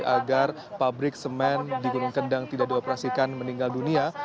agar pabrik semen di gunung kendang tidak dioperasikan meninggal dunia